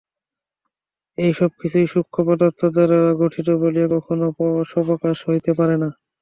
এই সবকিছুই সূক্ষ্ম পদার্থ দ্বারা গঠিত বলিয়া কখনও স্বপ্রকাশ হইতে পারে না।